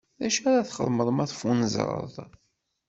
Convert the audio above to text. D acu ara txedmeḍ ma teffunezreḍ?